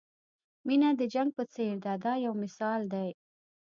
مینه د جنګ په څېر ده دا یو مثال دی.